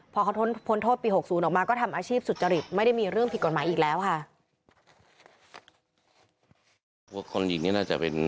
พอเขาพ้นโทษปี๖๐ออกมาก็ทำอาชีพสุจริตไม่ได้มีเรื่องผิดกฎหมายอีกแล้วค่ะ